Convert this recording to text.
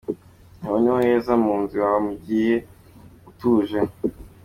Aho niho heza munzu Iwawa mugihe utuje